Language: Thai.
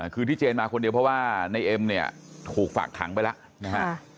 คือที่เจนมาคนเดียวเพราะว่าในเอ็มเนี่ยถูกฝากขังไปแล้วนะฮะ